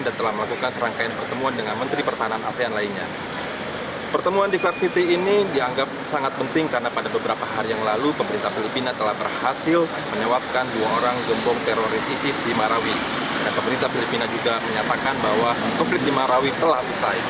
dan pemerintah filipina juga menyatakan bahwa konflik di marawi telah selesai